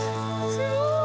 すごい！